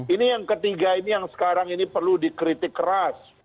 ini yang ketiga ini yang sekarang ini perlu dikritik keras